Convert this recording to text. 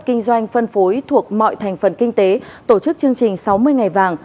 kinh doanh phân phối thuộc mọi thành phần kinh tế tổ chức chương trình sáu mươi ngày vàng